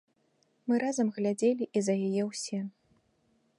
Мы разам глядзелі і за яе ўсе.